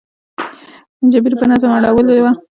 جبیر په نظم اړولې وه.